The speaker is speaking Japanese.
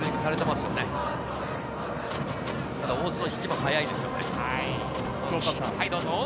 大津の引きも速いですよね。